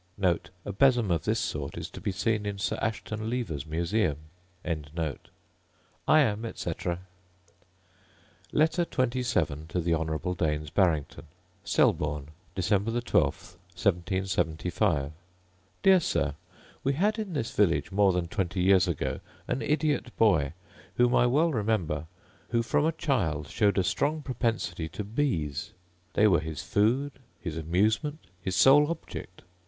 A besom of this sort is to be seen in Sir Ashton Lever's Museum. I am, etc. Letter XXVII To The Honourable Daines Barrington Selborne, December 12, 1775. Dear Sir, We had in this village more than twenty years ago an idiot boy, whom I well remember, who, from a child, showed a strong propensity to bees; they were his food, his amusement, his sole object.